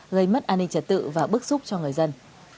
gây mất an ninh trật tự và bức xúc cho người dân